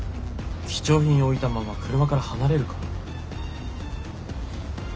貴重品を置いたまま車から離れるか？